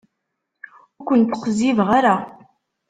Ur ken-ttqezzibeɣ ara.